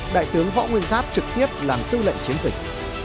đại tướng võ nguyên giáp trực tiếp làm tư lệnh chiến dịch